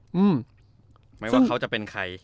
หมายความว่าเขาจะเป็นใคร